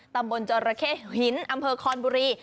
ตระบทจรเคฮิ้นอำเภอคอนบุรี